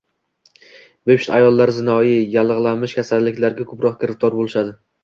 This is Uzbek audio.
Bepusht ayollar zinoiy, yallig‘lanish xastaliklariga ko‘proq giriftor bo‘lishadi.